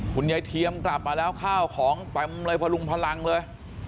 เทียมกลับมาแล้วข้าวของเต็มเลยพลุงพลังเลย